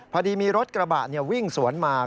พอดีมีรถกระบะวิ่งสวนมา